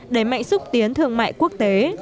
đẩy mạnh xúc tiến thương mại quốc tế